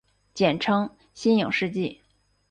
简称新影世纪。